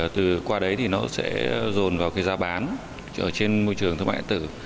từ qua đấy nó sẽ dồn vào gia bán trên môi trường thương mại điện tử